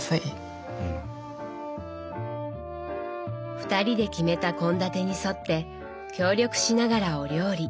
２人で決めた献立に沿って協力しながらお料理。